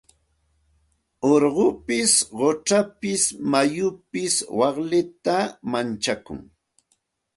Urqupis quchapis mayupis waklita manchakun.